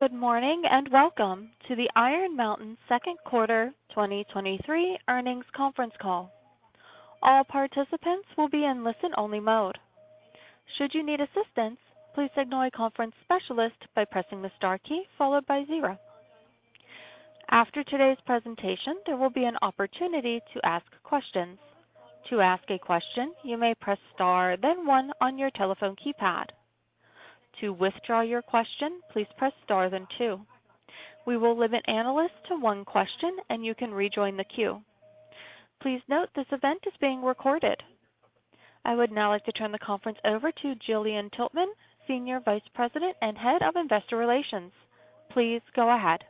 Good morning, and welcome to the Iron Mountain 2Q 2023 earnings conference call. All participants will be in listen-only mode. Should you need assistance, please signal a conference specialist by pressing the Star 0. After today's presentation, there will be an opportunity to ask questions. To ask a question, you may press Star 1 on your telephone keypad. To withdraw your question, please press Star 2. We will limit analysts to 1 question, and you can rejoin the queue. Please note this event is being recorded. I would now like to turn the conference over to Jillian Tilton, Senior Vice President and Head of Investor Relations. Please go ahead.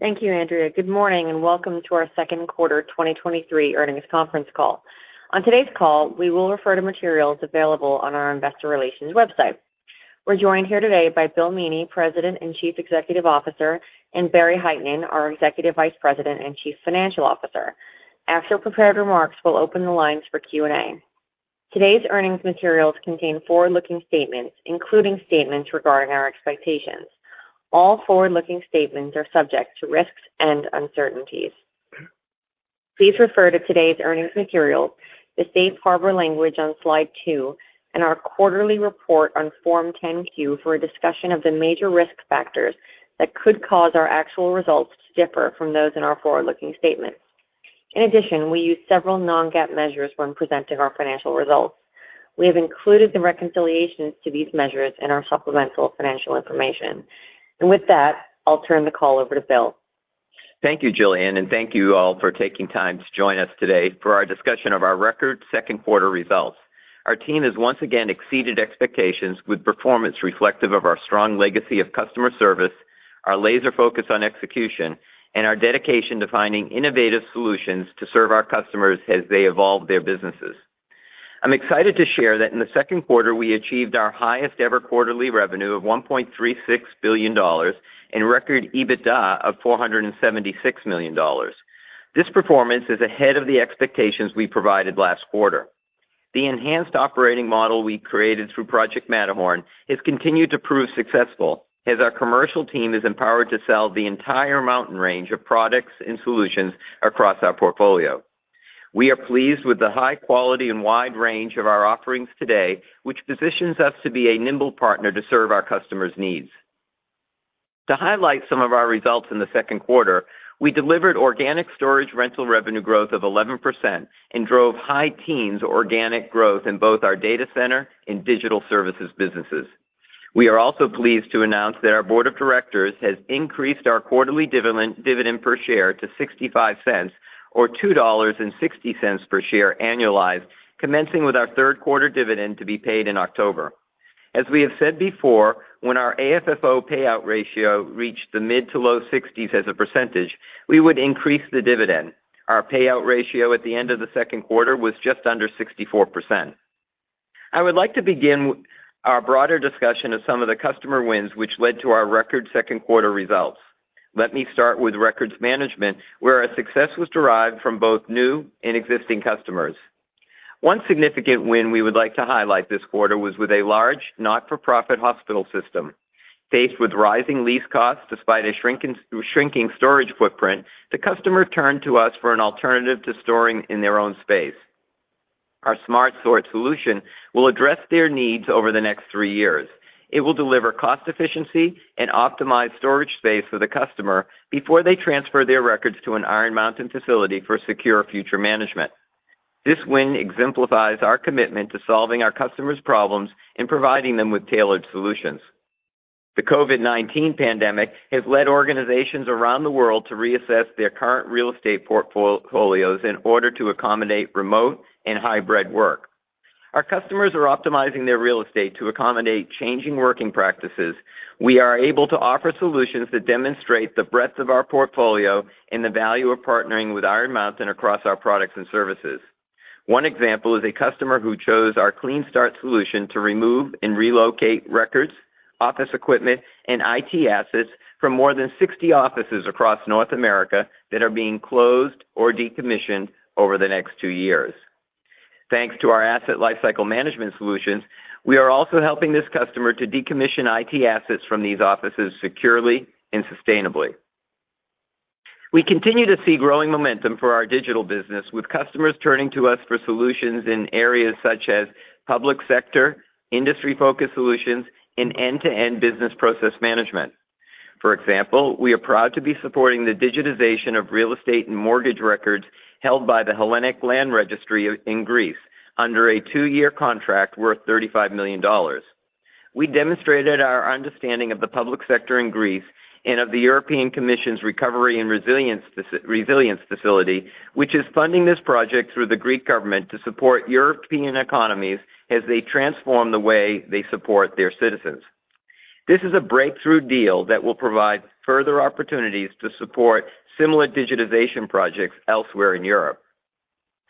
Thank you, Andrea. Good morning, and welcome to our second quarter 2023 earnings conference call. On today's call, we will refer to materials available on our investor relations website. We're joined here today by Bill Meaney, President and Chief Executive Officer, and Barry Hytinen, our Executive Vice President and Chief Financial Officer. After prepared remarks, we'll open the lines for Q&A. Today's earnings materials contain forward-looking statements, including statements regarding our expectations. All forward-looking statements are subject to risks and uncertainties. Please refer to today's earnings materials, the Safe Harbor language on slide 2, and our quarterly report on Form 10-Q for a discussion of the major risk factors that could cause our actual results to differ from those in our forward-looking statements. We use several non-GAAP measures when presenting our financial results. We have included the reconciliations to these measures in our supplemental financial information. With that, I'll turn the call over to Bill. Thank you, Jillian, and thank you all for taking time to join us today for our discussion of our record second quarter results. Our team has once again exceeded expectations with performance reflective of our strong legacy of customer service, our laser focus on execution, and our dedication to finding innovative solutions to serve our customers as they evolve their businesses. I'm excited to share that in the second quarter, we achieved our highest-ever quarterly revenue of $1.36 billion and record EBITDA of $476 million. This performance is ahead of the expectations we provided last quarter. The enhanced operating model we created through Project Matterhorn has continued to prove successful, as our commercial team is empowered to sell the entire mountain range of products and solutions across our portfolio. We are pleased with the high quality and wide range of our offerings today, which positions us to be a nimble partner to serve our customers' needs. To highlight some of our results in the second quarter, we delivered organic storage rental revenue growth of 11% and drove high teens organic growth in both our data center and digital services businesses. We are also pleased to announce that our board of directors has increased our quarterly dividend per share to $0.65, or $2.60 per share annualized, commencing with our third quarter dividend to be paid in October. As we have said before, when our AFFO payout ratio reached the mid to low 60s as a percentage, we would increase the dividend. Our payout ratio at the end of the second quarter was just under 64%. I would like to begin our broader discussion of some of the customer wins, which led to our record second quarter results. Let me start with records management, where our success was derived from both new and existing customers. One significant win we would like to highlight this quarter was with a large not-for-profit hospital system. Faced with rising lease costs despite a shrinking, shrinking storage footprint, the customer turned to us for an alternative to storing in their own space. Our Smart Sort solution will address their needs over the next three years. It will deliver cost efficiency and optimize storage space for the customer before they transfer their records to an Iron Mountain facility for secure future management. This win exemplifies our commitment to solving our customers' problems and providing them with tailored solutions. The COVID-19 pandemic has led organizations around the world to reassess their current real estate portfolios in order to accommodate remote and hybrid work. Our customers are optimizing their real estate to accommodate changing working practices. We are able to offer solutions that demonstrate the breadth of our portfolio and the value of partnering with Iron Mountain across our products and services. One example is a customer who chose our Clean Start solution to remove and relocate records, office equipment, and IT assets from more than 60 offices across North America that are being closed or decommissioned over the next two years. Thanks to our asset lifecycle management solutions, we are also helping this customer to decommission IT assets from these offices securely and sustainably. We continue to see growing momentum for our digital business, with customers turning to us for solutions in areas such as public sector, industry-focused solutions, and end-to-end business process management. For example, we are proud to be supporting the digitization of real estate and mortgage records held by the Hellenic Land Registry in Greece under a two-year contract worth $35 million. We demonstrated our understanding of the public sector in Greece and of the European Commission's Recovery and Resilience Facility, which is funding this project through the Greek government to support European economies as they transform the way they support their citizens. This is a breakthrough deal that will provide further opportunities to support similar digitization projects elsewhere in Europe.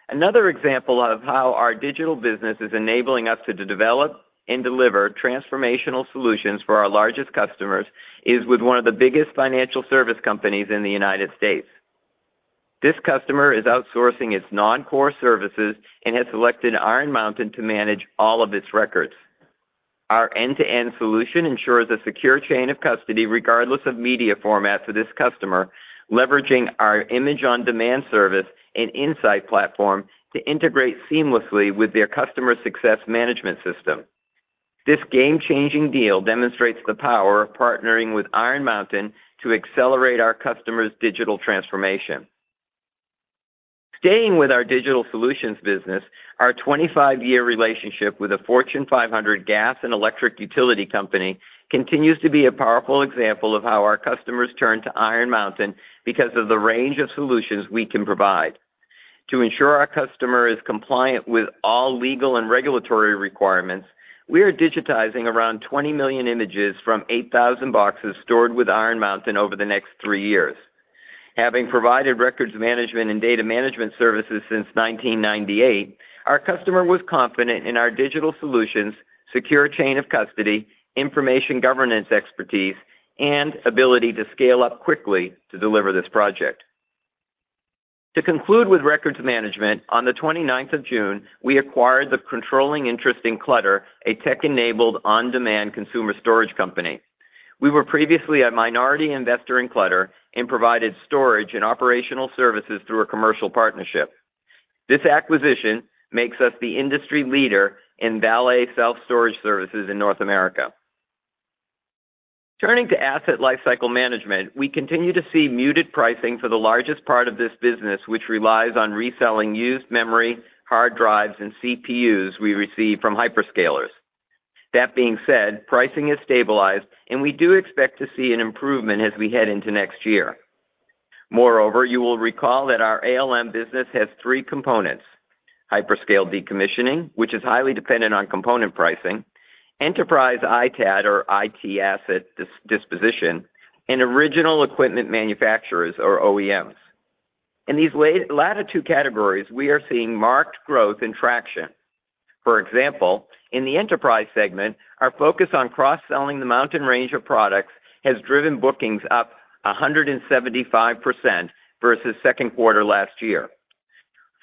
Another example of how our digital business is enabling us to develop and deliver transformational solutions for our largest customers is with one of the biggest financial service companies in the United States. This customer is outsourcing its non-core services and has selected Iron Mountain to manage all of its records. Our end-to-end solution ensures a secure chain of custody, regardless of media format, for this customer, leveraging our Image on Demand service and InSight platform to integrate seamlessly with their customer success management system. This game-changing deal demonstrates the power of partnering with Iron Mountain to accelerate our customers' digital transformation. Staying with our digital solutions business, our 25-year relationship with a Fortune 500 gas and electric utility company continues to be a powerful example of how our customers turn to Iron Mountain because of the range of solutions we can provide. To ensure our customer is compliant with all legal and regulatory requirements, we are digitizing around 20 million images from 8,000 boxes stored with Iron Mountain over the next 3 years. Having provided records management and data management services since 1998, our customer was confident in our digital solutions, secure chain of custody, information governance expertise, and ability to scale up quickly to deliver this project. To conclude with records management, on the 29th of June, we acquired the controlling interest in Clutter, a tech-enabled, on-demand consumer storage company. We were previously a minority investor in Clutter and provided storage and operational services through a commercial partnership. This acquisition makes us the industry leader in valet self-storage services in North America. Turning to asset lifecycle management, we continue to see muted pricing for the largest part of this business, which relies on reselling used memory, hard drives, and CPUs we receive from hyperscalers. Pricing has stabilized, and we do expect to see an improvement as we head into next year. You will recall that our ALM business has three components: hyperscale decommissioning, which is highly dependent on component pricing; enterprise ITAD, or IT asset disposition; and original equipment manufacturers, or OEMs. In these latter two categories, we are seeing marked growth and traction. In the enterprise segment, our focus on cross-selling the Mountain range of products has driven bookings up 175% versus second quarter last year.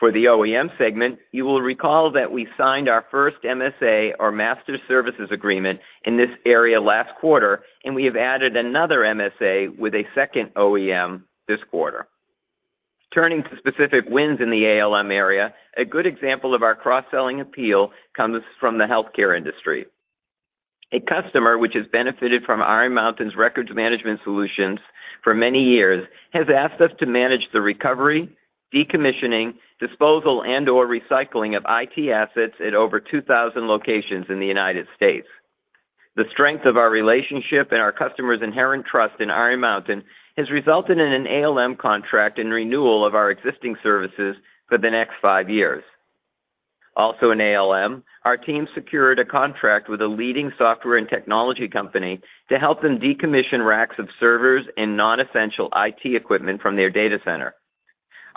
For the OEM segment, you will recall that we signed our first MSA, or Master Services Agreement, in this area last quarter, and we have added another MSA with a second OEM this quarter. Turning to specific wins in the ALM area, a good example of our cross-selling appeal comes from the healthcare industry. A customer which has benefited from Iron Mountain's records management solutions for many years, has asked us to manage the recovery, decommissioning, disposal, and/or recycling of IT assets at over 2,000 locations in the United States. The strength of our relationship and our customer's inherent trust in Iron Mountain has resulted in an ALM contract and renewal of our existing services for the next 5 years. Also in ALM, our team secured a contract with a leading software and technology company to help them decommission racks of servers and non-essential IT equipment from their data center.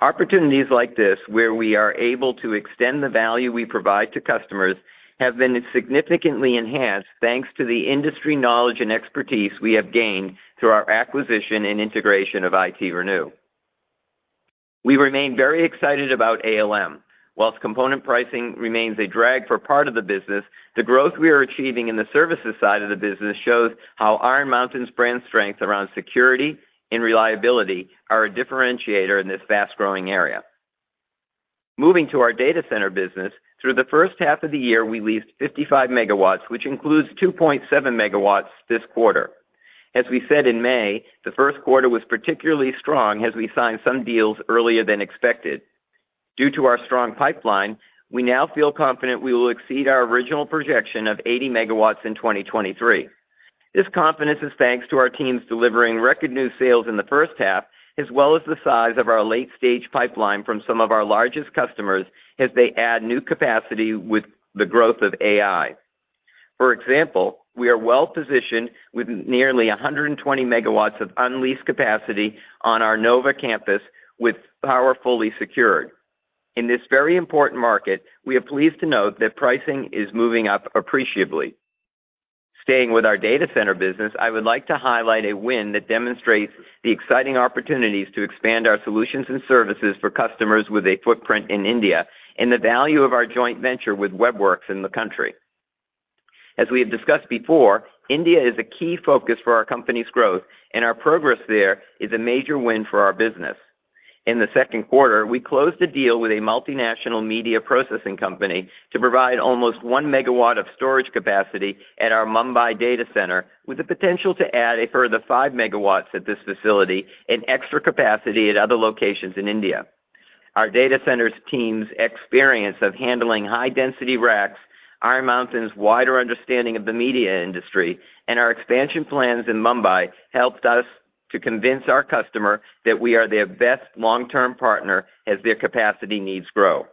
Opportunities like this, where we are able to extend the value we provide to customers, have been significantly enhanced, thanks to the industry knowledge and expertise we have gained through our acquisition and integration of ITRenew. We remain very excited about ALM. Whilst component pricing remains a drag for part of the business, the growth we are achieving in the services side of the business shows how Iron Mountain's brand strength around security and reliability are a differentiator in this fast-growing area. Moving to our data center business, through the first half of the year, we leased 55 megawatts, which includes 2.7 megawatts this quarter. As we said in May, the first quarter was particularly strong as we signed some deals earlier than expected. Due to our strong pipeline, we now feel confident we will exceed our original projection of 80 MW in 2023. This confidence is thanks to our teams delivering record new sales in the first half, as well as the size of our late-stage pipeline from some of our largest customers as they add new capacity with the growth of AI. For example, we are well positioned with nearly 120 MW of unleased capacity on our NoVA campus, with power fully secured. In this very important market, we are pleased to note that pricing is moving up appreciably. Staying with our data center business, I would like to highlight a win that demonstrates the exciting opportunities to expand our solutions and services for customers with a footprint in India and the value of our joint venture with Web Werks in the country. As we have discussed before, India is a key focus for our company's growth, and our progress there is a major win for our business. In the second quarter, we closed a deal with a multinational media processing company to provide almost 1 MW of storage capacity at our Mumbai data center, with the potential to add a further 5 MW at this facility and extra capacity at other locations in India. Our data centers team's experience of handling high-density racks, Iron Mountain's wider understanding of the media industry, and our expansion plans in Mumbai, helped us to convince our customer that we are their best long-term partner as their capacity needs grow.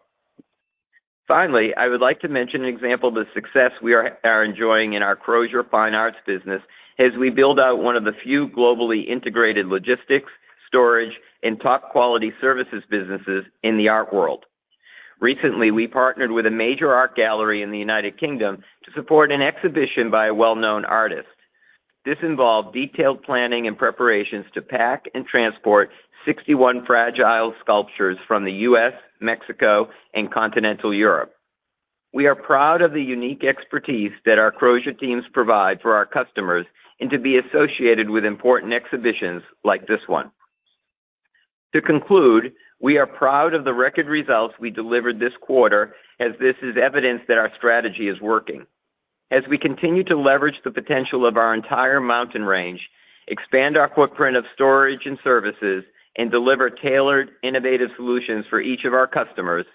Finally, I would like to mention an example of the success we are enjoying in our Crozier Fine Arts business as we build out one of the few globally integrated logistics, storage, and top-quality services businesses in the art world. Recently, we partnered with a major art gallery in the United Kingdom to support an exhibition by a well-known artist. This involved detailed planning and preparations to pack and transport 61 fragile sculptures from the U.S., Mexico, and Continental Europe. We are proud of the unique expertise that our Crozier teams provide for our customers and to be associated with important exhibitions like this one. To conclude, we are proud of the record results we delivered this quarter, as this is evidence that our strategy is working. As we continue to leverage the potential of our entire mountain range, expand our footprint of storage and services, and deliver tailored, innovative solutions for each of our customers,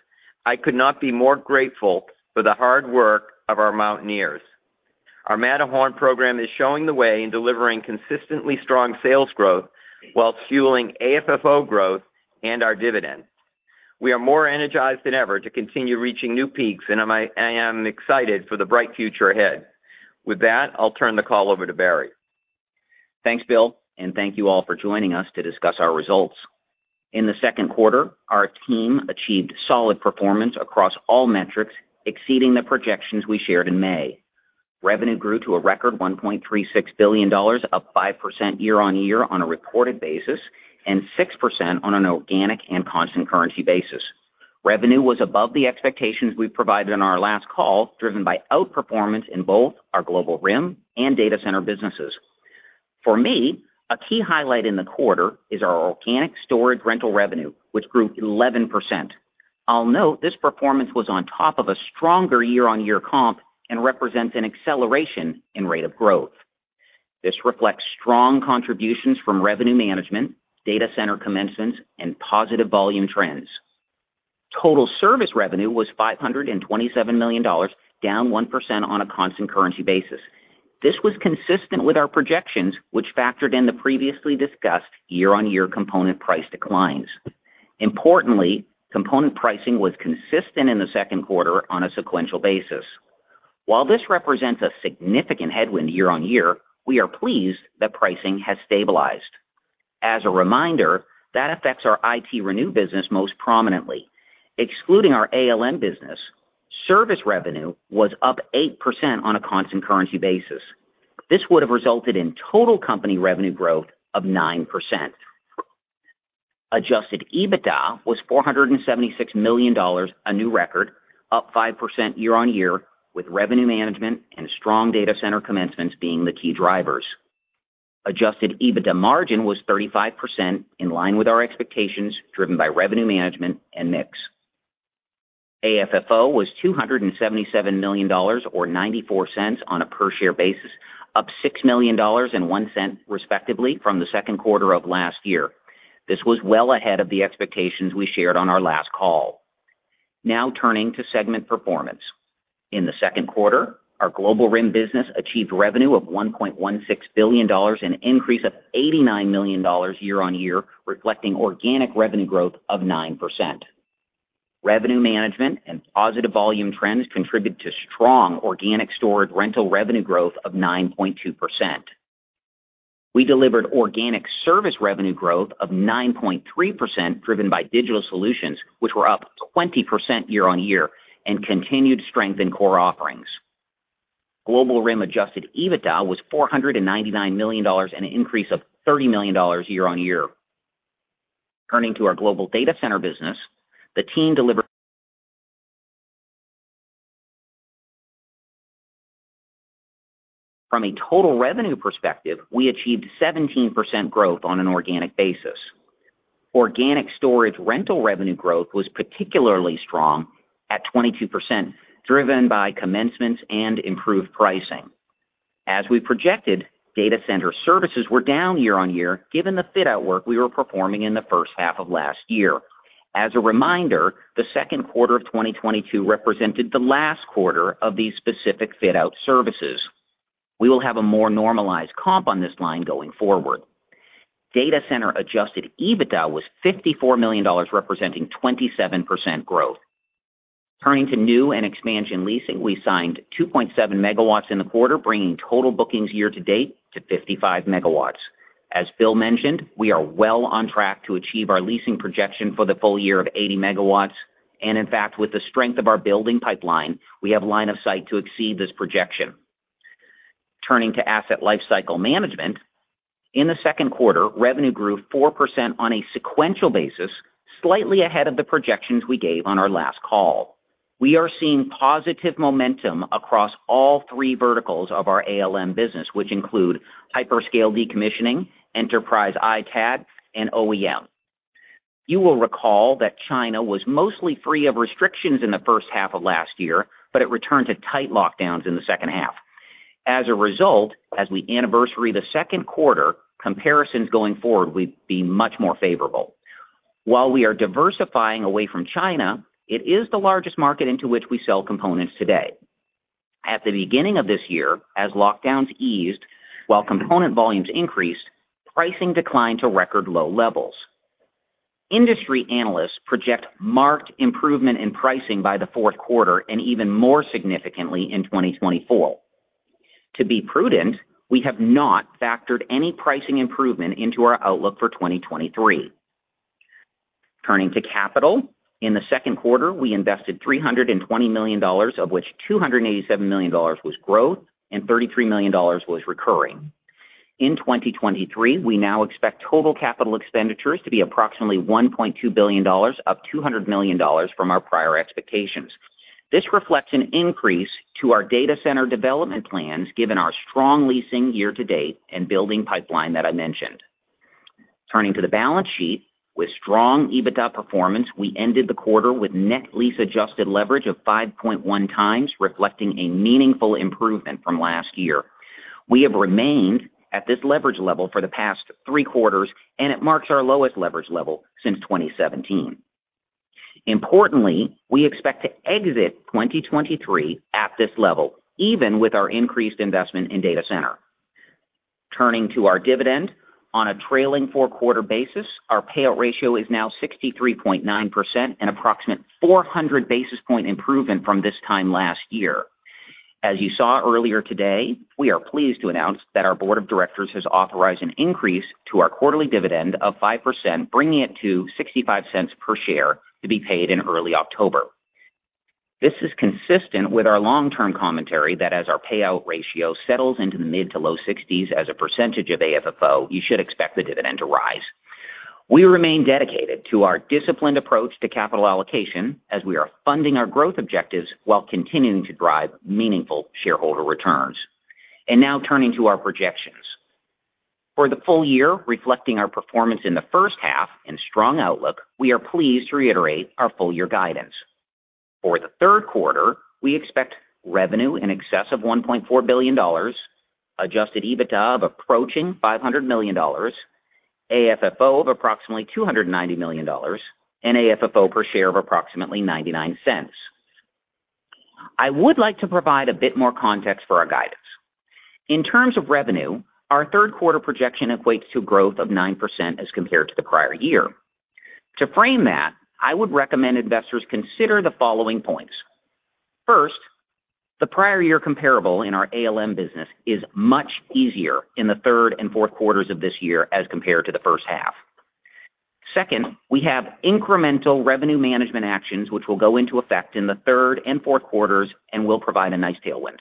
I could not be more grateful for the hard work of our Mountaineers. Our Matterhorn program is showing the way in delivering consistently strong sales growth while fueling AFFO growth and our dividend. We are more energized than ever to continue reaching new peaks, and I am excited for the bright future ahead. With that, I'll turn the call over to Barry. Thanks, Bill, and thank you all for joining us to discuss our results. In the second quarter, our team achieved solid performance across all metrics, exceeding the projections we shared in May. Revenue grew to a record $1.36 billion, up 5% year-on-year on a reported basis and 6% on an organic and constant currency basis. Revenue was above the expectations we provided on our last call, driven by outperformance in both our Global RIM and data center businesses. For me, a key highlight in the quarter is our organic storage rental revenue, which grew 11%. I'll note this performance was on top of a stronger year-on-year comp and represents an acceleration in rate of growth. This reflects strong contributions from revenue management, data center commencements, and positive volume trends. Total service revenue was $527 million, down 1% on a constant currency basis. This was consistent with our projections, which factored in the previously discussed year-on-year component price declines. Importantly, component pricing was consistent in the second quarter on a sequential basis. While this represents a significant headwind year on year, we are pleased that pricing has stabilized. As a reminder, that affects our ITRenew business most prominently. Excluding our ALM business, service revenue was up 8% on a constant currency basis. This would have resulted in total company revenue growth of 9%. Adjusted EBITDA was $476 million, a new record, up 5% year on year, with revenue management and strong data center commencements being the key drivers. Adjusted EBITDA margin was 35%, in line with our expectations, driven by revenue management and mix. AFFO was $277 million, or $0.94 on a per-share basis, up $6 million and $0.01, respectively, from the second quarter of last year. This was well ahead of the expectations we shared on our last call. Turning to segment performance. In the second quarter, our Global RIM business achieved revenue of $1.16 billion, an increase of $89 million year-on-year, reflecting organic revenue growth of 9%. Revenue management and positive volume trends contributed to strong organic storage rental revenue growth of 9.2%. We delivered organic service revenue growth of 9.3%, driven by digital solutions, which were up 20% year-on-year, and continued strength in core offerings. Global RIM Adjusted EBITDA was $499 million, an increase of $30 million year-on-year. Turning to our global data center business, From a total revenue perspective, we achieved 17% growth on an organic basis. Organic storage rental revenue growth was particularly strong at 22%, driven by commencements and improved pricing. As we projected, data center services were down year-on-year, given the fit out work we were performing in the first half of last year. As a reminder, the second quarter of 2022 represented the last quarter of these specific fit out services. We will have a more normalized comp on this line going forward. Data center Adjusted EBITDA was $54 million, representing 27% growth. Turning to new and expansion leasing, we signed 2.7 megawatts in the quarter, bringing total bookings year-to-date to 55 megawatts. As Bill mentioned, we are well on track to achieve our leasing projection for the full year of 80 megawatts. In fact, with the strength of our building pipeline, we have line of sight to exceed this projection. Turning to asset lifecycle management. In the second quarter, revenue grew 4% on a sequential basis, slightly ahead of the projections we gave on our last call. We are seeing positive momentum across all three verticals of our ALM business, which include hyperscale decommissioning, enterprise ITAD, and OEM. You will recall that China was mostly free of restrictions in the first half of last year. It returned to tight lockdowns in the second half. As a result, as we anniversary the second quarter, comparisons going forward will be much more favorable. While we are diversifying away from China, it is the largest market into which we sell components today. At the beginning of this year, as lockdowns eased, while component volumes increased, pricing declined to record low levels. Industry analysts project marked improvement in pricing by the fourth quarter and even more significantly in 2024. To be prudent, we have not factored any pricing improvement into our outlook for 2023. Turning to capital, in the second quarter, we invested $320 million, of which $287 million was growth and $33 million was recurring. In 2023, we now expect total capital expenditures to be approximately $1.2 billion, up $200 million from our prior expectations. This reflects an increase to our data center development plans, given our strong leasing year to date and building pipeline that I mentioned. Turning to the balance sheet, with strong EBITDA performance, we ended the quarter with net lease adjusted leverage of 5.1x, reflecting a meaningful improvement from last year. We have remained at this leverage level for the past 3 quarters, and it marks our lowest leverage level since 2017. Importantly, we expect to exit 2023 at this level, even with our increased investment in data center. Turning to our dividend, on a trailing four-quarter basis, our payout ratio is now 63.9%, an approximate 400 basis point improvement from this time last year. As you saw earlier today, we are pleased to announce that our board of directors has authorized an increase to our quarterly dividend of 5%, bringing it to $0.65 per share, to be paid in early October. This is consistent with our long-term commentary that as our payout ratio settles into the mid to low 60s as a percentage of AFFO, you should expect the dividend to rise. We remain dedicated to our disciplined approach to capital allocation as we are funding our growth objectives while continuing to drive meaningful shareholder returns. Now turning to our projections. For the full year, reflecting our performance in the first half and strong outlook, we are pleased to reiterate our full year guidance. For the third quarter, we expect revenue in excess of $1.4 billion, Adjusted EBITDA of approaching $500 million, AFFO of approximately $290 million, and AFFO per share of approximately $0.99. I would like to provide a bit more context for our guidance. In terms of revenue, our third quarter projection equates to growth of 9% as compared to the prior year. To frame that, I would recommend investors consider the following points: First, the prior year comparable in our ALM business is much easier in the third and fourth quarters of this year as compared to the first half. Second, we have incremental revenue management actions, which will go into effect in the third and fourth quarters and will provide a nice tailwind.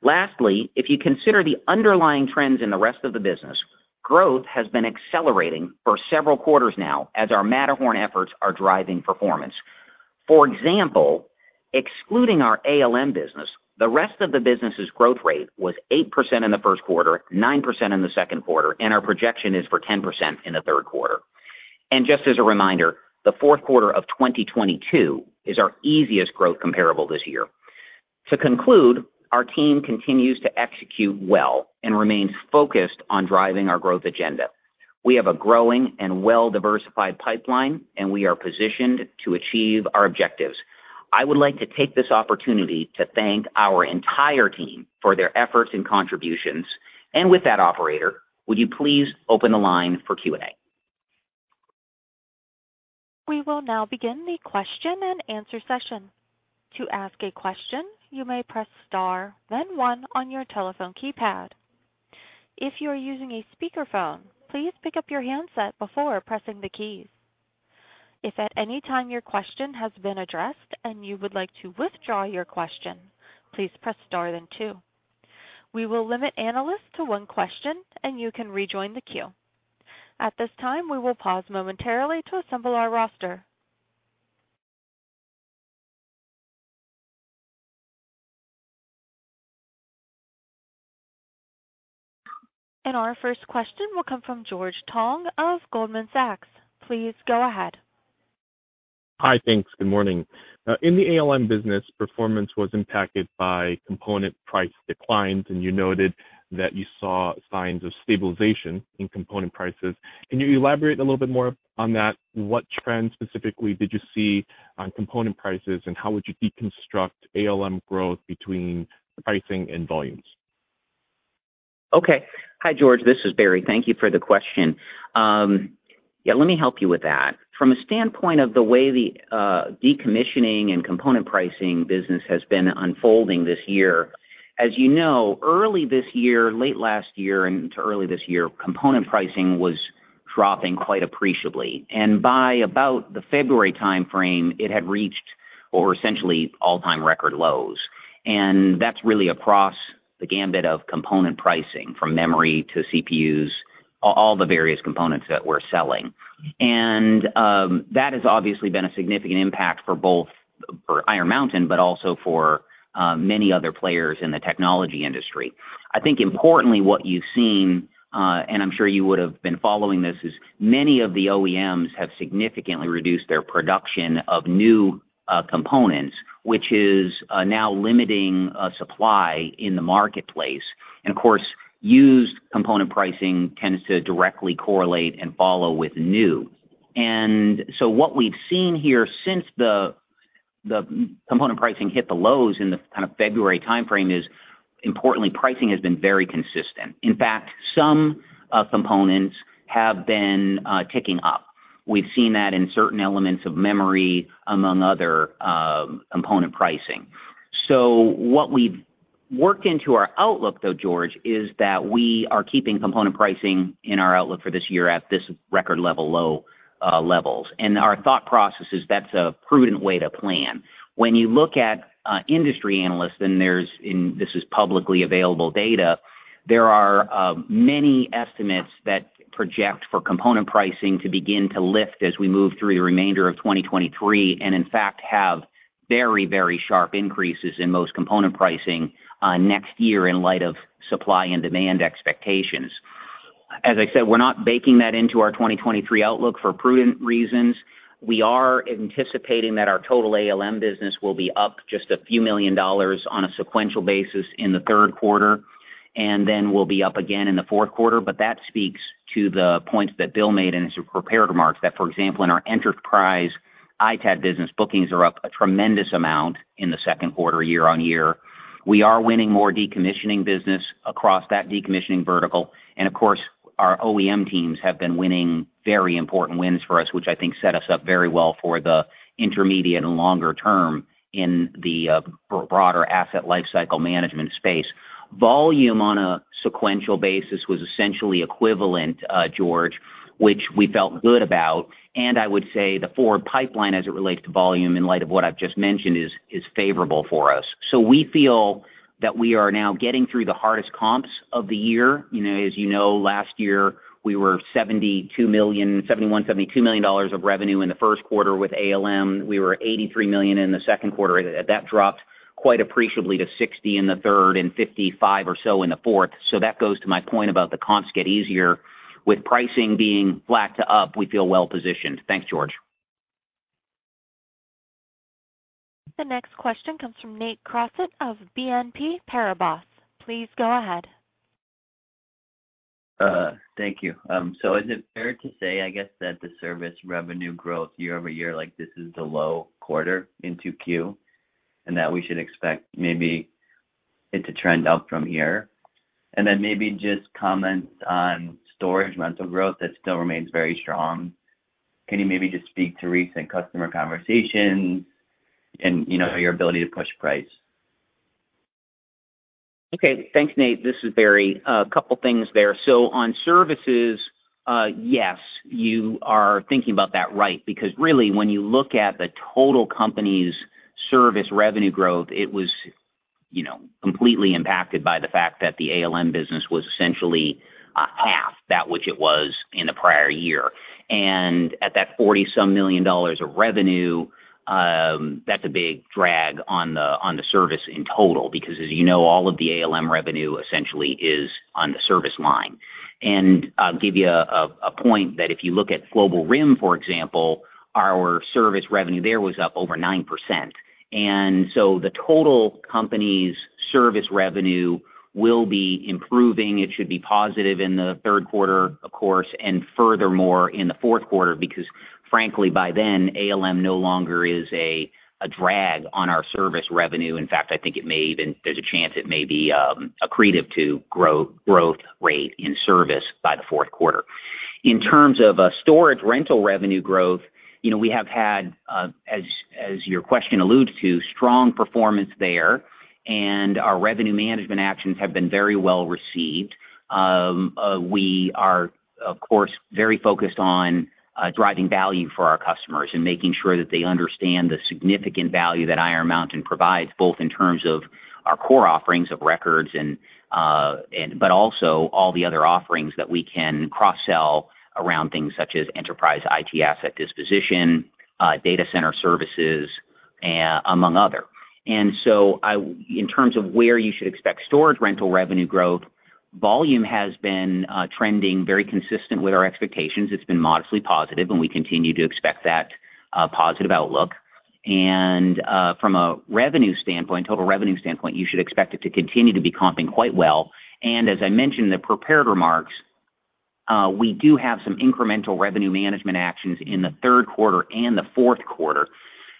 Lastly, if you consider the underlying trends in the rest of the business, growth has been accelerating for several quarters now as our Matterhorn efforts are driving performance. For example, excluding our ALM business, the rest of the business's growth rate was 8% in the first quarter, 9% in the second quarter, and our projection is for 10% in the third quarter. Just as a reminder, the fourth quarter of 2022 is our easiest growth comparable this year. To conclude, our team continues to execute well and remains focused on driving our growth agenda. We have a growing and well-diversified pipeline, and we are positioned to achieve our objectives. I would like to take this opportunity to thank our entire team for their efforts and contributions. With that, operator, would you please open the line for Q&A? We will now begin the question and answer session. To ask a question, you may press star, then 1 on your telephone keypad. If you are using a speakerphone, please pick up your handset before pressing the keys. If at any time your question has been addressed and you would like to withdraw your question, please press star then 2. We will limit analysts to 1 question, and you can rejoin the queue. At this time, we will pause momentarily to assemble our roster. Our 1st question will come from George Tong of Goldman Sachs. Please go ahead. Hi, thanks. Good morning. In the ALM business, performance was impacted by component price declines, and you noted that you saw signs of stabilization in component prices. Can you elaborate a little bit more on that? What trends specifically did you see on component prices, and how would you deconstruct ALM growth between pricing and volumes? Okay. Hi, George, this is Barry. Thank you for the question. Yeah, let me help you with that. From a standpoint of the way the decommissioning and component pricing business has been unfolding this year, as you know, early this year, late last year, and to early this year, component pricing was dropping quite appreciably, and by about the February time frame, it had reached or essentially all-time record lows. That's really across the gamut of component pricing, from memory to CPUs, all the various components that we're selling. That has obviously been a significant impact for both for Iron Mountain, but also for many other players in the technology industry. I think importantly, what you've seen, and I'm sure you would have been following this, is many of the OEMs have significantly reduced their production of new components, which is now limiting supply in the marketplace. Of course, used component pricing tends to directly correlate and follow with new. What we've seen here since the component pricing hit the lows in the kind of February timeframe is, importantly, pricing has been very consistent. In fact, some components have been ticking up. We've seen that in certain elements of memory, among other component pricing. What we've worked into our outlook, though, George, is that we are keeping component pricing in our outlook for this year at this record level, low levels. Our thought process is that's a prudent way to plan. When you look at industry analysts, there's, this is publicly available data, there are many estimates that project for component pricing to begin to lift as we move through the remainder of 2023, in fact, have very, very sharp increases in most component pricing next year, in light of supply and demand expectations. As I said, we're not baking that into our 2023 outlook for prudent reasons. We are anticipating that our total ALM business will be up just a few million dollars on a sequential basis in the third quarter, then will be up again in the fourth quarter. That speaks to the points that Bill made in his prepared remarks, that, for example, in our enterprise ITAD business, bookings are up a tremendous amount in the second quarter, year-over-year. We are winning more decommissioning business across that decommissioning vertical. Of course, our OEM teams have been winning very important wins for us, which I think set us up very well for the intermediate and longer term in the broader asset lifecycle management space. Volume on a sequential basis was essentially equivalent, George, which we felt good about. I would say the forward pipeline, as it relates to volume, in light of what I've just mentioned, is favorable for us. We feel that we are now getting through the hardest comps of the year. You know, as you know, last year, we were $71 million-$72 million of revenue in the first quarter with ALM. We were $83 million in the second quarter. That dropped quite appreciably to $60 million in the third and $55 million or so in the fourth. That goes to my point about the comps get easier. With pricing being flat to up, we feel well positioned. Thanks, George. The next question comes from Nate Crossett of BNP Paribas. Please go ahead. Thank you. Is it fair to say, I guess, that the service revenue growth year-over-year, this is the low quarter in 2Q, and that we should expect maybe it to trend up from here? Then maybe just comment on storage rental growth that still remains very strong. Can you maybe just speak to recent customer conversations and, you know, your ability to push price? Okay. Thanks, Nate. This is Barry. A couple things there. On services, yes, you are thinking about that right, because really, when you look at the total company's service revenue growth, it was, you know, completely impacted by the fact that the ALM business was essentially half that which it was in the prior year. At that $40 some million of revenue, that's a big drag on the, on the service in total, because as you know, all of the ALM revenue essentially is on the service line. I'll give you a, a point that if you look at Global RIM, for example, our service revenue there was up over 9%. The total company's service revenue will be improving. It should be positive in the third quarter, of course, and furthermore in the fourth quarter, because frankly, by then, ALM no longer is a drag on our service revenue. In fact, I think it may even, there's a chance it may be accretive to growth rate in service by the fourth quarter. In terms of storage rental revenue growth, you know, we have had, as your question alludes to, strong performance there, and our revenue management actions have been very well received. We are, of course, very focused on driving value for our customers and making sure that they understand the significant value that Iron Mountain provides, both in terms of our core offerings of records and, but also all the other offerings that we can cross-sell around things such as enterprise IT Asset Disposition, data center services, among other. In terms of where you should expect storage rental revenue growth, volume has been trending very consistent with our expectations. It's been modestly positive, and we continue to expect that positive outlook. From a revenue standpoint, total revenue standpoint, you should expect it to continue to be comping quite well. As I mentioned in the prepared remarks, we do have some incremental revenue management actions in the third quarter and the fourth quarter,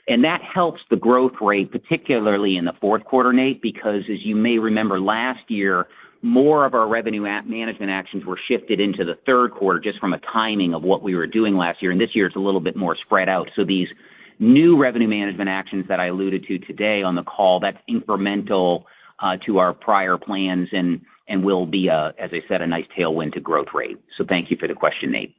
and that helps the growth rate, particularly in the fourth quarter, Nate, because as you may remember, last year, more of our revenue at management actions were shifted into the third quarter just from a timing of what we were doing last year, and this year is a little bit more spread out. These new revenue management actions that I alluded to today on the call, that's incremental to our prior plans and will be, as I said, a nice tailwind to growth rate. Thank you for the question, Nate.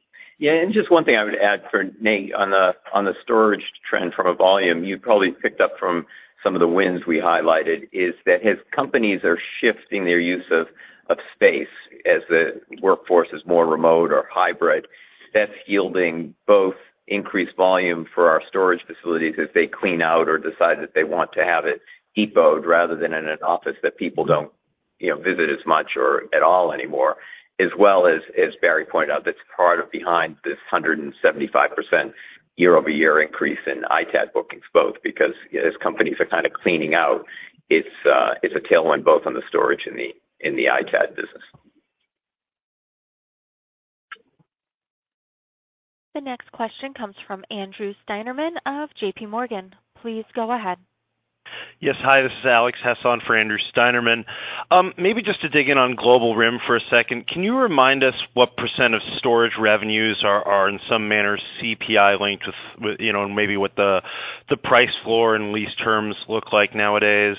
Just one thing I would add for Nate on the, on the storage trend from a volume you probably picked up from some of the wins we highlighted, is that as companies are shifting their use of, of space, as the workforce is more remote or hybrid, that's yielding both increased volume for our storage facilities as they clean out or decide that they want to have it depoted, rather than in an office that people don't, you know, visit as much or at all anymore. As well as, as Barry pointed out, that's part of behind this 175% year-over-year increase in ITAD bookings, both because as companies are kind of cleaning out, it's a tailwind both on the storage and in the ITAD business. The next question comes from Andrew Steinerman of J.P. Morgan. Please go ahead. Yes, hi, this is Alex Hasson for Andrew Steinerman. Maybe just to dig in on Global RIM for a second. Can you remind us what % of storage revenues are in some manner CPI linked with, you know, maybe what the price floor and lease terms look like nowadays?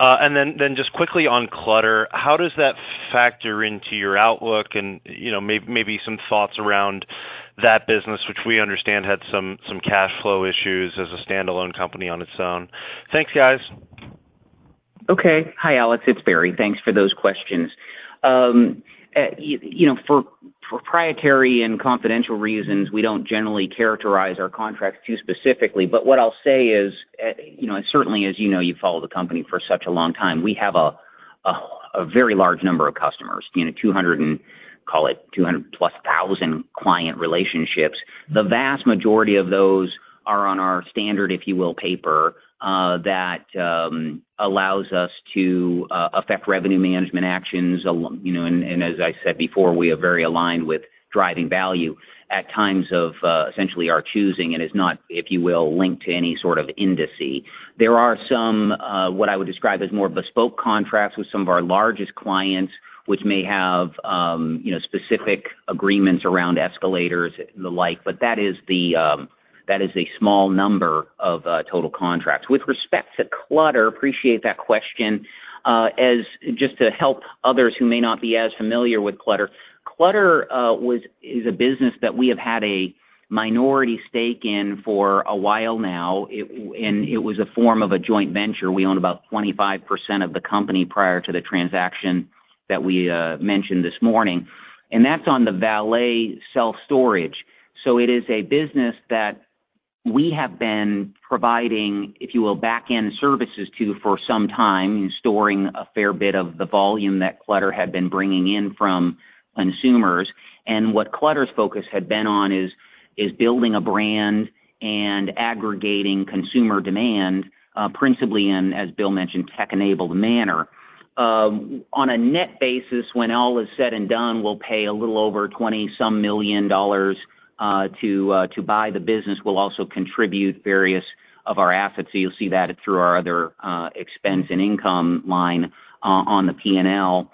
Then just quickly on Clutter, how does that factor into your outlook? You know, maybe some thoughts around that business, which we understand had some cash flow issues as a standalone company on its own. Thanks, guys. Okay. Hi, Alex, it's Barry. Thanks for those questions. You know, for proprietary and confidential reasons, we don't generally characterize our contracts too specifically. What I'll say is, you know, and certainly, as you know, you've followed the company for such a long time, we have a, a, a very large number of customers, you know, two hundred and, call it, 200+ thousand client relationships. The vast majority of those are on our standard, if you will, paper, that allows us to affect revenue management actions. You know, and, and as I said before, we are very aligned with driving value at times of, essentially our choosing, and is not, if you will, linked to any sort of indices. There are some, what I would describe as more bespoke contracts with some of our largest clients, which may have, you know, specific agreements around escalators and the like, but that is the, that is a small number of total contracts. With respect to Clutter, appreciate that question. As just to help others who may not be as familiar with Clutter. Clutter is a business that we have had a minority stake in for a while now. It, and it was a form of a joint venture. We owned about 25% of the company prior to the transaction that we mentioned this morning, and that's on the valet self-storage. It is a business that we have been providing, if you will, back-end services to for some time, and storing a fair bit of the volume that Clutter had been bringing in from consumers. What Clutter's focus had been on is, is building a brand and aggregating consumer demand, principally in, as Bill mentioned, tech-enabled manner. On a net basis, when all is said and done, we'll pay a little over $20+ million to buy the business. We'll also contribute various of our assets, so you'll see that through our other expense and income line on the P&L.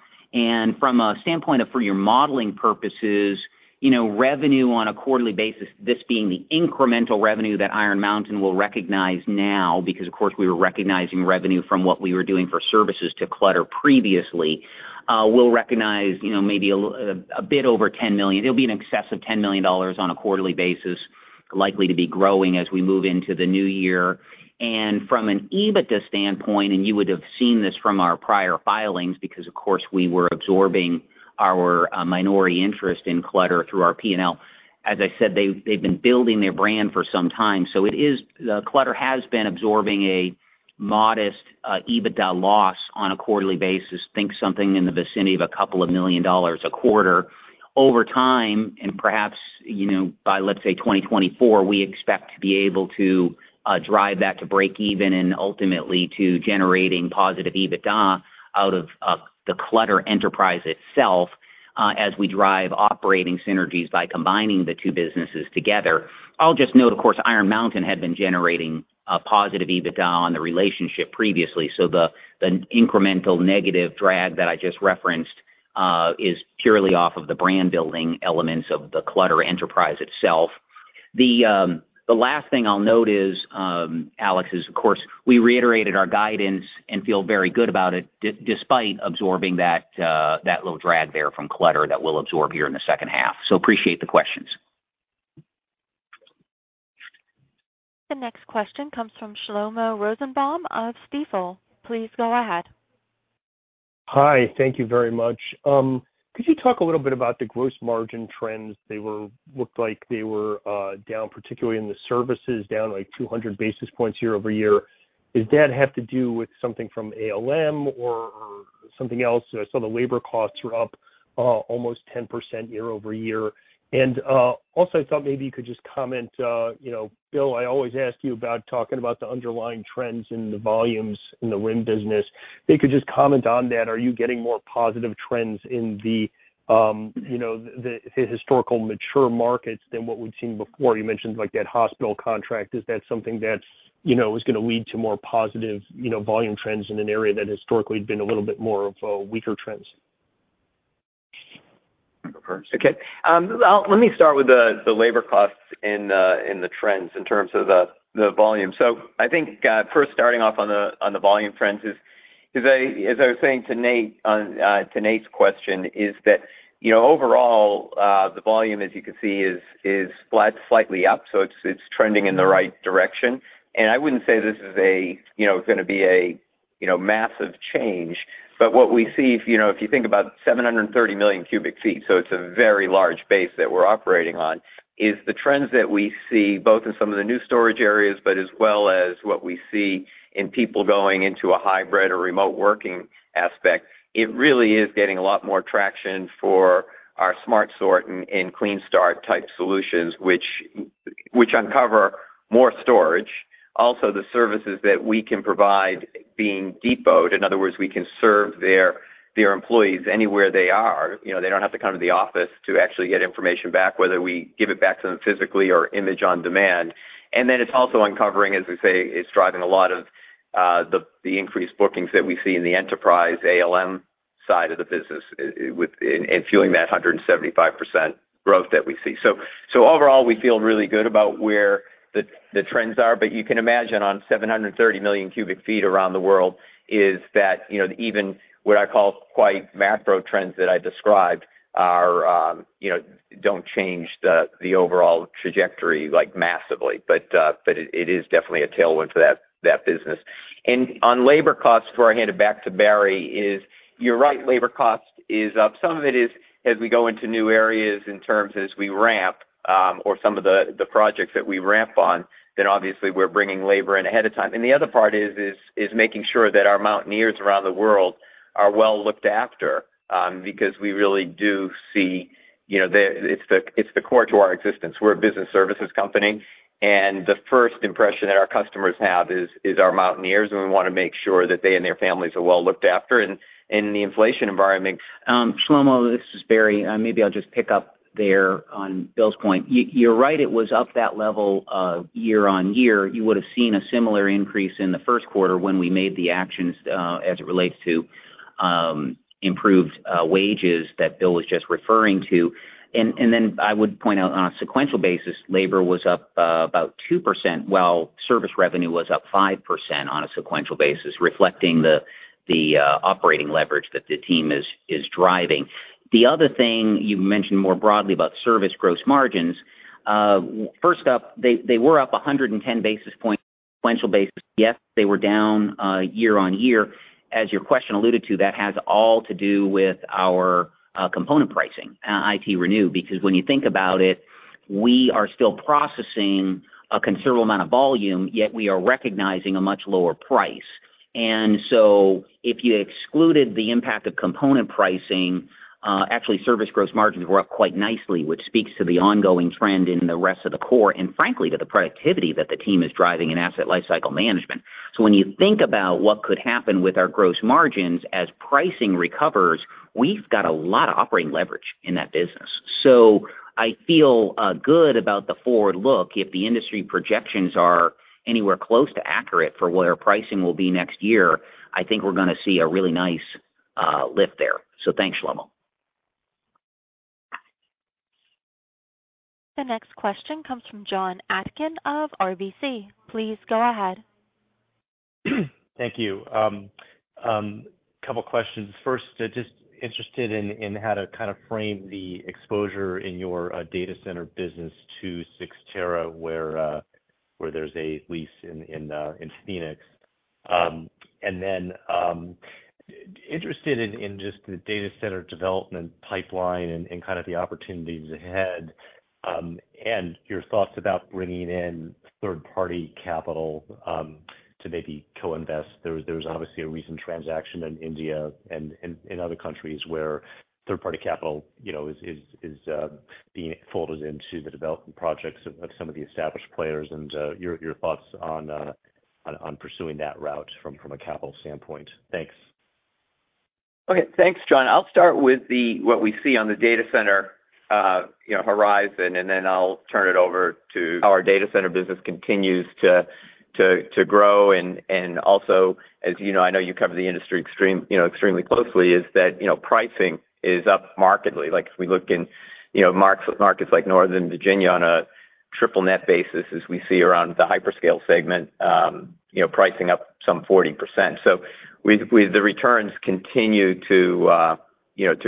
From a standpoint of, for your modeling purposes, you know, revenue on a quarterly basis, this being the incremental revenue that Iron Mountain will recognize now, because, of course, we were recognizing revenue from what we were doing for services to Clutter previously, we'll recognize, you know, maybe a bit over $10 million. It'll be in excess of $10 million on a quarterly basis, likely to be growing as we move into the new year. From an EBITDA standpoint, and you would have seen this from our prior filings, because, of course, we were absorbing our minority interest in Clutter through our P&L. As I said, they've been building their brand for some time, so it is, Clutter has been absorbing a modest EBITDA loss on a quarterly basis. Think something in the vicinity of $2 million a quarter. Over time, and perhaps, you know, by, let's say, 2024, we expect to be able to drive that to break even and ultimately to generating positive EBITDA out of the Clutter enterprise itself, as we drive operating synergies by combining the two businesses together. I'll just note, of course, Iron Mountain had been generating a positive EBITDA on the relationship previously, so the incremental negative drag that I just referenced, is purely off of the brand building elements of the Clutter enterprise itself. The last thing I'll note is, Alex, is, of course, we reiterated our guidance and feel very good about it, despite absorbing that little drag there from Clutter that we'll absorb here in the second half. Appreciate the questions. The next question comes from Shlomo Rosenbaum of Stifel. Please go ahead. Hi, thank you very much. Could you talk a little bit about the gross margin trends? They were, looked like they were down, particularly in the services, down, like, 200 basis points year-over-year. Does that have to do with something from ALM or something else? I saw the labor costs were up almost 10% year-over-year. Also, I thought maybe you could just comment, you know, Bill, I always ask you about talking about the underlying trends in the volumes in the RIM business. If you could just comment on that, are you getting more positive trends in the, you know, the historical mature markets than what we've seen before? You mentioned, like, that hospital contract. Is that something that's, you know, is gonna lead to more positive, you know, volume trends in an area that historically had been a little bit more of a weaker trends? Okay. Let me start with the labor costs and the trends in terms of the volume. I think, first starting off on the volume trends as I was saying to Nate, on to Nate's question, is that, you know, overall, the volume, as you can see, is flat, slightly up, so it's trending in the right direction. I wouldn't say this is a, you know, gonna be a, you know, massive change. What we see if, you know, if you think about 730 million cubic feet, so it's a very large base that we're operating on, is the trends that we see both in some of the new storage areas, but as well as what we see in people going into a hybrid or remote working aspect, it really is getting a lot more traction for our Smart Sort and, and Clean Start type solutions, which, which uncover more storage. Also, the services that we can provide being depot. In other words, we can serve their- their employees anywhere they are. You know, they don't have to come to the office to actually get information back, whether we give it back to them physically or Image on Demand. It's also uncovering, as we say, it's driving a lot of the increased bookings that we see in the enterprise ALM side of the business, and fueling that 175% growth that we see. Overall, we feel really good about where the trends are, but you can imagine on 730 million cubic feet around the world, is that, you know, even what I call quite macro trends that I described are, you know, don't change the overall trajectory, like, massively. It is definitely a tailwind for that, that business. On labor costs, before I hand it back to Barry, you're right, labor cost is up. Some of it is as we go into new areas in terms as we ramp, or some of the, the projects that we ramp on, then obviously we're bringing labor in ahead of time. The other part is making sure that our Mountaineers around the world are well looked after, because we really do see, you know, it's the, it's the core to our existence. We're a business services company, and the first impression that our customers have is our Mountaineers, and we want to make sure that they and their families are well looked after in the inflation environment. Shlomo, this is Barry. Maybe I'll just pick up there on Bill's point. You, you're right, it was up that level of year-over-year. You would have seen a similar increase in the first quarter when we made the actions, as it relates to improved wages that Bill was just referring to. I would point out, on a sequential basis, labor was up about 2%, while service revenue was up 5% on a sequential basis, reflecting the operating leverage that the team is driving. The other thing you mentioned more broadly about service gross margins, first up, they were up 110 basis points sequential basis. Yes, they were down year-over-year. As your question alluded to, that has all to do with our component pricing, ITRenew, because when you think about it, we are still processing a considerable amount of volume, yet we are recognizing a much lower price. If you excluded the impact of component pricing, actually, service gross margins were up quite nicely, which speaks to the ongoing trend in the rest of the core, and frankly, to the productivity that the team is driving in asset lifecycle management. When you think about what could happen with our gross margins as pricing recovers, we've got a lot of operating leverage in that business. I feel good about the forward look. If the industry projections are anywhere close to accurate for where pricing will be next year, I think we're gonna see a really nice lift there. Thanks, Shlomo. The next question comes from John Atkin of RBC. Please go ahead. Thank you. Couple questions. First, just interested in how to kind of frame the exposure in your data center business to Cyxtera, where there's a lease in Phoenix. Then, interested in just the data center development pipeline and kind of the opportunities ahead, and your thoughts about bringing in third-party capital to maybe co-invest. There was obviously a recent transaction in India and in other countries where third-party capital, you know, is, is, is being folded into the development projects of some of the established players, and your thoughts on pursuing that route from a capital standpoint. Thanks. Okay. Thanks, John. I'll start with the what we see on the data center, you know, horizon. Our data center business continues to grow. Also, as you know, I know you cover the industry extremely closely, is that, you know, pricing is up markedly. Like, if we look in, you know, markets like Northern Virginia on a triple-net basis, as we see around the hyperscale segment, you know, pricing up some 40%. We, we, the returns continue to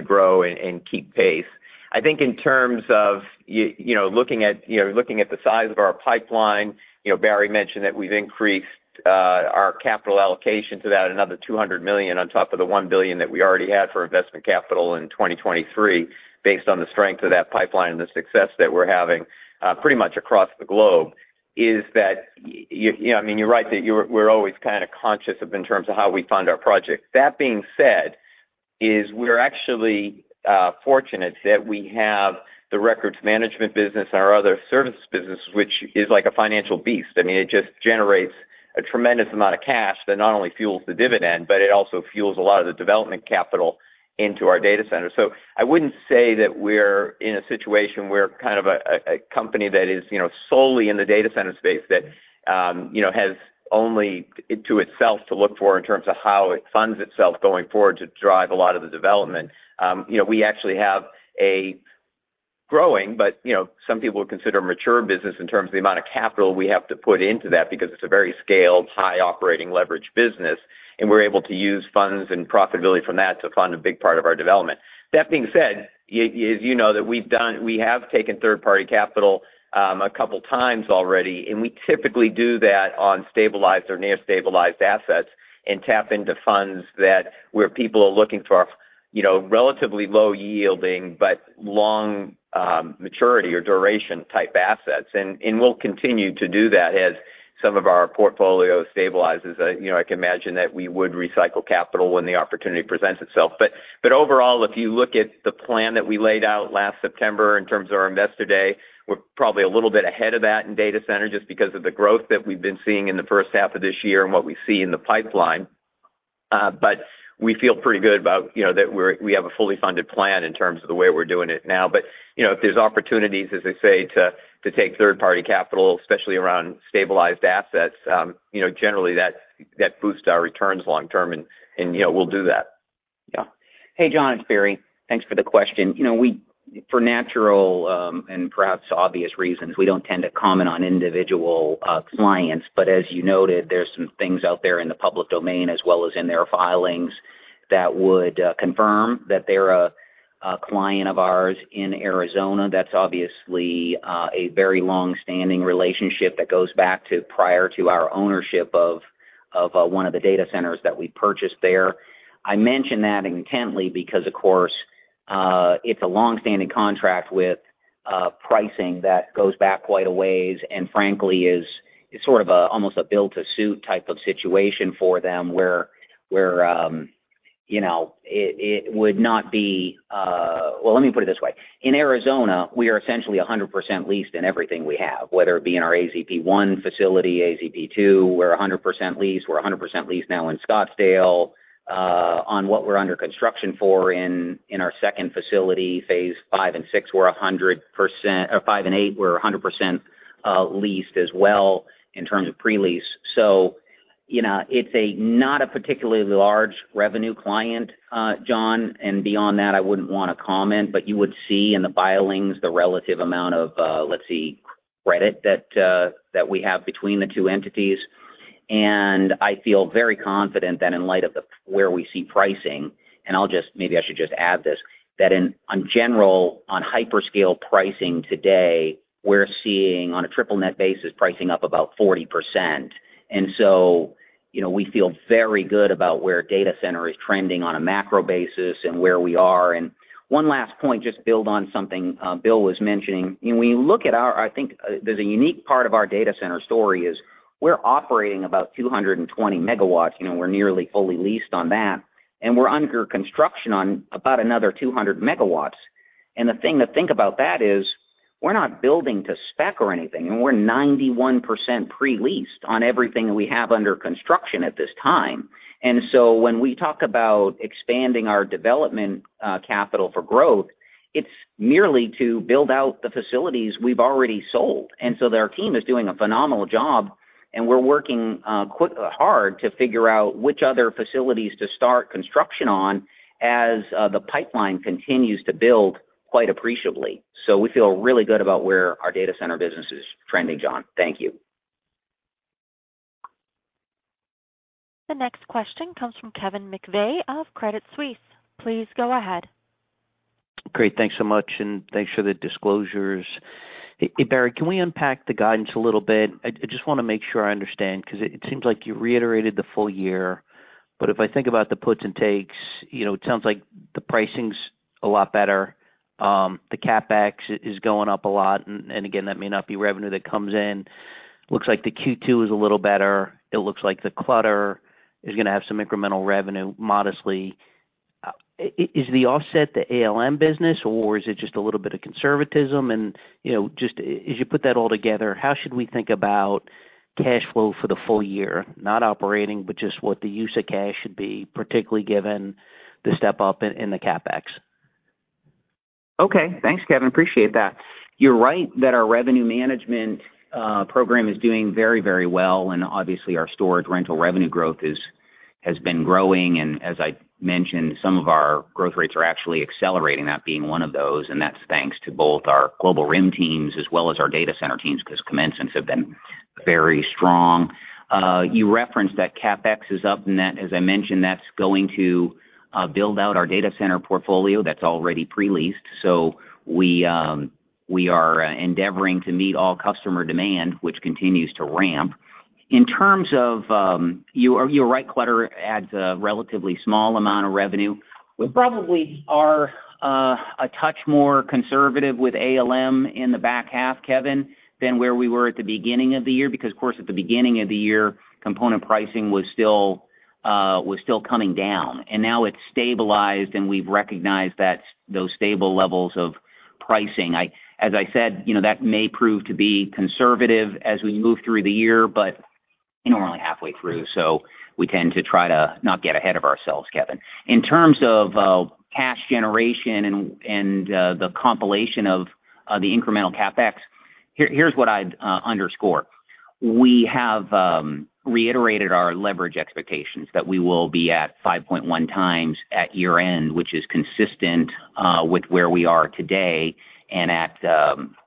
grow and keep pace. I think in terms of you know, looking at, you know, looking at the size of our pipeline, you know, Barry mentioned that we've increased our capital allocation to about another $200 million on top of the $1 billion that we already had for investment capital in 2023, based on the strength of that pipeline and the success that we're having pretty much across the globe, is that, you know, I mean, you're right that we're always kind of conscious of in terms of how we fund our projects. That being said, we're actually fortunate that we have the records management business and our other service business, which is like a financial beast. I mean, it just generates a tremendous amount of cash that not only fuels the dividend, but it also fuels a lot of the development capital into our data center. I wouldn't say that we're in a situation where kind of a company that is, you know, solely in the data center space that, you know, has only to itself to look for in terms of how it funds itself going forward to drive a lot of the development. You know, we actually have a growing, but, you know, some people would consider a mature business in terms of the amount of capital we have to put into that because it's a very scaled, high operating leverage business, and we're able to use funds and profitability from that to fund a big part of our development. That being said, as you know, that we've done, we have taken third-party capital a couple times already, and we typically do that on stabilized or near stabilized assets and tap into funds that where people are looking for, you know, relatively low yielding, but long, maturity or duration type assets. We'll continue to do that as some of our portfolio stabilizes. You know, I can imagine that we would recycle capital when the opportunity presents itself. Overall, if you look at the plan that we laid out last September in terms of our Investor Day, we're probably a little bit ahead of that in data center, just because of the growth that we've been seeing in the first half of this year and what we see in the pipeline. We feel pretty good about, you know, that we're, we have a fully funded plan in terms of the way we're doing it now. You know, if there's opportunities, as I say, to, to take third-party capital, especially around stabilized assets, you know, generally, that, that boosts our returns long term, and, and, you know, we'll do that. Yeah. Hey, John, it's Barry. Thanks for the question. You know, for natural, and perhaps obvious reasons, we don't tend to comment on individual clients. As you noted, there's some things out there in the public domain as well as in their filings, that would confirm that they're a client of ours in Arizona. That's obviously a very long-standing relationship that goes back to prior to our ownership of one of the data centers that we purchased there. I mention that intently, because, of course, it's a long-standing contract with pricing that goes back quite a ways, and frankly, is sort of almost a built-to-suit type of situation for them, where, you know, it would not be... Well, let me put it this way. In Arizona, we are essentially 100% leased in everything we have, whether it be in our AZP-I facility, AZP-II, we're 100% leased. We're 100% leased now in Scottsdale. On what we're under construction for in our second facility, phase five and six, five and eight, we're 100% leased as well in terms of pre-lease. You know, it's a not a particularly large revenue client, John, and beyond that, I wouldn't want to comment, but you would see in the filings the relative amount of, let's see, credit that we have between the two entities. I feel very confident that in light of the, where we see pricing, on general hyperscale pricing today, we're seeing on a triple-net basis, pricing up about 40%. You know, we feel very good about where data center is trending on a macro basis and where we are. One last point, just build on something, Bill was mentioning. When we look at, I think there's a unique part of our data center story is, we're operating about 220 megawatts, you know, we're nearly fully leased on that, and we're under construction on about another 200 megawatts. The thing to think about that is, we're not building to spec or anything, and we're 91% pre-leased on everything we have under construction at this time. When we talk about expanding our development, capital for growth, it's merely to build out the facilities we've already sold. Our team is doing a phenomenal job, and we're working, quick, hard to figure out which other facilities to start construction on, as, the pipeline continues to build quite appreciably. We feel really good about where our data center business is trending, John. Thank you. The next question comes from Kevin McVeigh of Credit Suisse. Please go ahead. Great, thanks so much, and thanks for the disclosures. Hey, Barry, can we unpack the guidance a little bit? I just want to make sure I understand, because it seems like you reiterated the full year, but if I think about the puts and takes, you know, it sounds like the pricing's a lot better. The CapEx is going up a lot, and again, that may not be revenue that comes in. Looks like the Q2 is a little better. It looks like the Clutter is gonna have some incremental revenue, modestly. Is the offset the ALM business, or is it just a little bit of conservatism? You know, just as you put that all together, how should we think about cash flow for the full year? Not operating, but just what the use of cash should be, particularly given the step up in, in the CapEx. Okay. Thanks, Kevin. Appreciate that. You're right that our revenue management program is doing very, very well, and obviously, our storage rental revenue growth is, has been growing, and as I mentioned, some of our growth rates are actually accelerating, that being one of those, and that's thanks to both our Global RIM teams as well as our data center teams, because commencements have been very strong. You referenced that CapEx is up, and that, as I mentioned, that's going to build out our data center portfolio that's already pre-leased. We are endeavoring to meet all customer demand, which continues to ramp. In terms of, you are, you're right, Clutter adds a relatively small amount of revenue. We probably are a touch more conservative with ALM in the back half, Kevin, than where we were at the beginning of the year, because, of course, at the beginning of the year, component pricing was still was still coming down, and now it's stabilized, and we've recognized that, those stable levels of pricing. As I said, you know, that may prove to be conservative as we move through the year, but we're only halfway through, so we tend to try to not get ahead of ourselves, Kevin. In terms of cash generation and, and the compilation of the incremental CapEx, here, here's what I'd underscore. We have reiterated our leverage expectations, that we will be at 5.1 times at year-end, which is consistent with where we are today and at,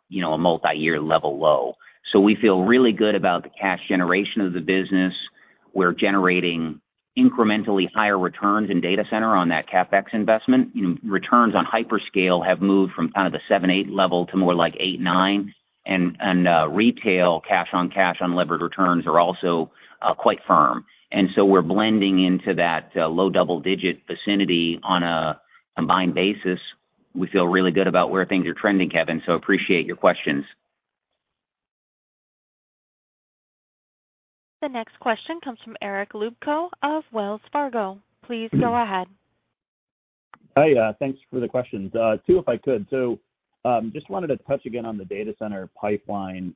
you know, a multi-year level low. We feel really good about the cash generation of the business. We're generating incrementally higher returns in data center on that CapEx investment. Returns on hyperscale have moved from kind of the 7, 8 level to more like 8, 9. Retail, cash on cash on levered returns are also quite firm. We're blending into that low double-digit vicinity on a combined basis. We feel really good about where things are trending, Kevin, appreciate your questions. The next question comes from Eric Luebchow of Wells Fargo. Please go ahead. Hi, thanks for the questions. 2, if I could. Just wanted to touch again on the data center pipeline.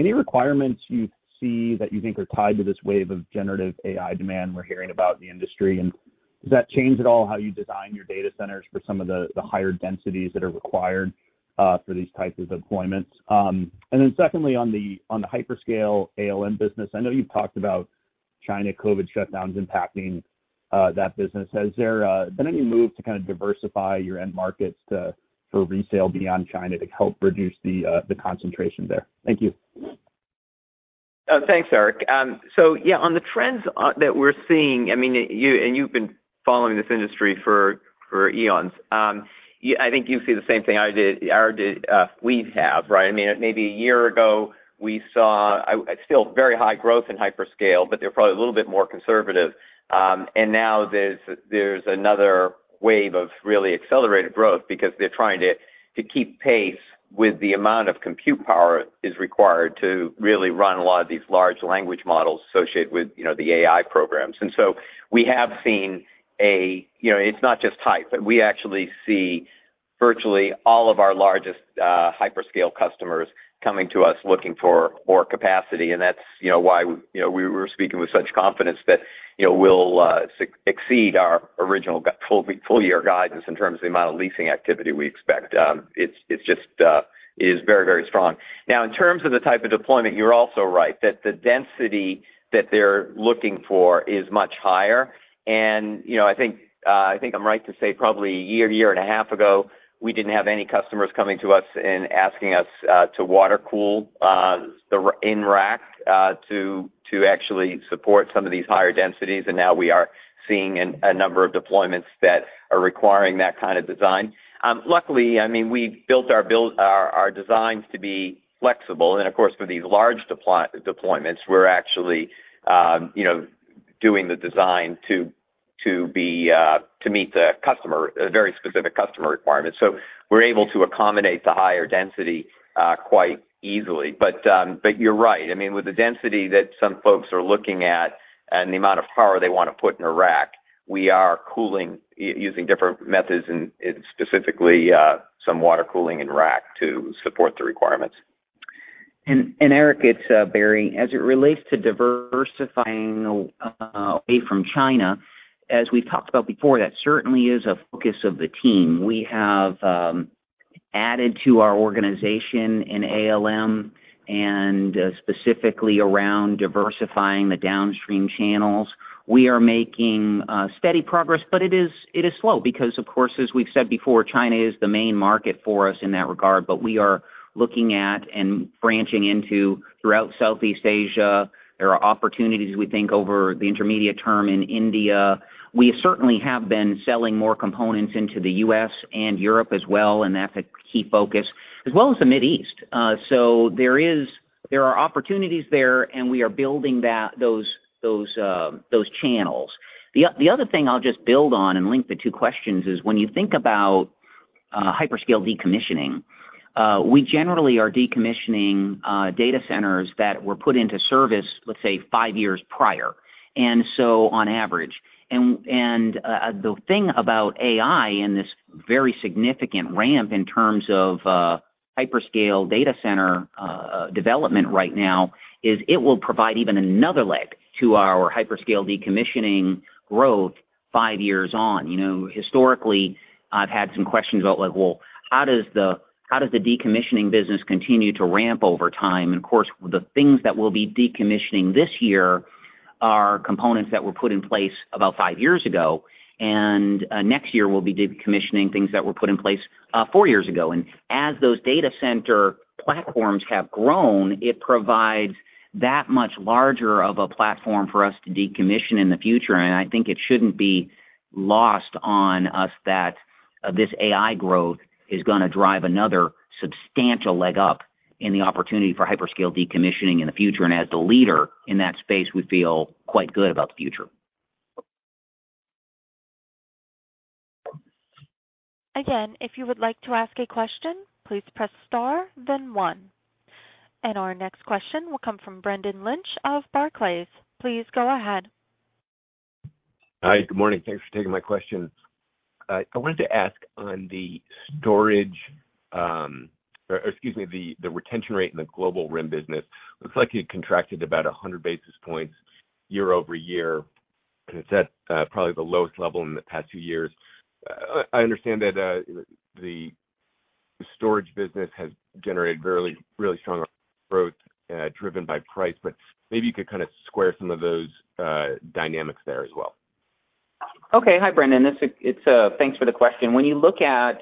Any requirements you see that you think are tied to this wave of generative AI demand we're hearing about in the industry? Does that change at all how you design your data centers for some of the higher densities that are required for these types of deployments? Secondly, on the hyperscale ALM business, I know you've talked about China COVID shutdowns impacting that business. Has there been any move to kind of diversify your end markets to, for resale beyond China to help reduce the concentration there? Thank you. Thanks, Eric. Yeah, on the trends, that we're seeing, I mean, and you've been following this industry for, for eons. I think you see the same thing I did, or do, we have, right? I mean, maybe a year ago, we saw. Still very high growth in hyperscale, but they're probably a little bit more conservative. Now there's, there's another wave of really accelerated growth because they're trying to, to keep pace with the amount of compute power is required to really run a lot of these large language models associated with, you know, the AI programs. We have seen, You know, it's not just hype, but we actually see virtually all of our largest, hyperscale customers coming to us, looking for more capacity. That's, you know, why, you know, we were speaking with such confidence that, you know, we'll exceed our original full year guidance in terms of the amount of leasing activity we expect. It's, it's just, is very, very strong. Now, in terms of the type of deployment, you're also right, that the density that they're looking for is much higher. You know, I think, I think I'm right to say probably a year, year and a half ago, we didn't have any customers coming to us and asking us to water cool the in rack to actually support some of these higher densities. Now we are seeing a number of deployments that are requiring that kind of design. Luckily, I mean, we've built our designs to be flexible. Of course, for these large deployments, we're actually, you know, doing the design to, to be, to meet the customer, a very specific customer requirements. We're able to accommodate the higher density, quite easily. But you're right. I mean, with the density that some folks are looking at and the amount of power they wanna put in a rack, we are cooling using different methods and, specifically, some water cooling in rack to support the requirements. Eric, it's Barry. As it relates to diversifying away from China, as we've talked about before, that certainly is a focus of the team. We have added to our organization in ALM and specifically around diversifying the downstream channels. We are making steady progress, but it is, it is slow, because, of course, as we've said before, China is the main market for us in that regard. We are looking at and branching into throughout Southeast Asia. There are opportunities, we think, over the intermediate term in India. We certainly have been selling more components into the U.S. and Europe as well, and that's a key focus, as well as the Mid East. There are opportunities there, and we are building that, those, those, those channels. The other thing I'll just build on and link the two questions is, when you think about hyperscale decommissioning, we generally are decommissioning data centers that were put into service, let's say, five years prior, and so on average. The thing about AI and this very significant ramp in terms of hyperscale data center development right now, is it will provide even another leg to our hyperscale decommissioning growth five years on. You know, historically, I've had some questions about like, well, how does the decommissioning business continue to ramp over time? Of course, the things that we'll be decommissioning this year are components that were put in place about five years ago. Next year, we'll be decommissioning things that were put in place four years ago. As those data center platforms have grown, it provides that much larger of a platform for us to decommission in the future. I think it shouldn't be lost on us that this AI growth is gonna drive another substantial leg up in the opportunity for hyperscale decommissioning in the future. As the leader in that space, we feel quite good about the future. Again, if you would like to ask a question, please press star then one. Our next question will come from Brendan Lynch of Barclays. Please go ahead. Hi, good morning. Thanks for taking my question. I wanted to ask on the storage, or, excuse me, the retention rate in the Global RIM business, looks like it contracted about 100 basis points year-over-year, and it's at, probably the lowest level in the past two years. I understand that the storage business has generated really, really strong growth, driven by price, but maybe you could kind of square some of those dynamics there as well. Okay. Hi, Brendan. Thanks for the question. When you look at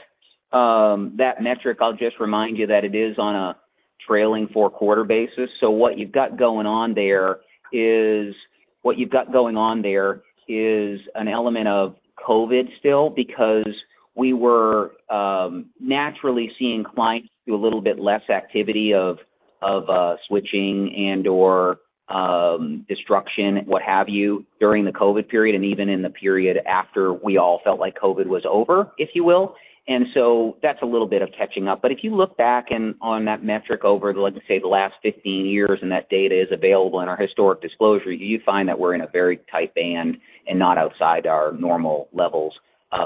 that metric, I'll just remind you that it is on a trailing 4-quarter basis. What you've got going on there is... What you've got going on there is an element of Covid still, because we were naturally seeing clients do a little bit less activity of, of, switching and/or destruction, what have you, during the Covid period and even in the period after we all felt like Covid was over, if you will. So that's a little bit of catching up. If you look back and on that metric over, let's say, the last 15 years, and that data is available in our historic disclosure, you find that we're in a very tight band and not outside our normal levels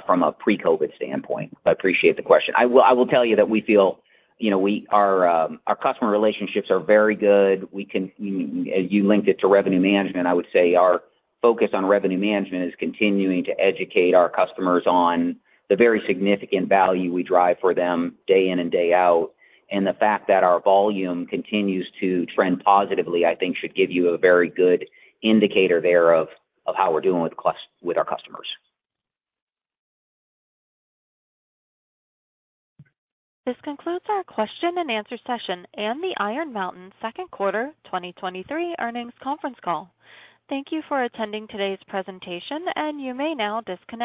from a pre-Covid standpoint. I appreciate the question. I will, I will tell you that we feel, you know, we our customer relationships are very good. We can, you, you linked it to revenue management. I would say our focus on revenue management is continuing to educate our customers on the very significant value we drive for them day in and day out. The fact that our volume continues to trend positively, I think, should give you a very good indicator there of, of how we're doing with our customers. This concludes our question and answer session and the Iron Mountain second quarter 2023 earnings conference call. Thank you for attending today's presentation, and you may now disconnect.